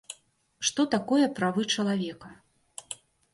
Што такое правы чалавека?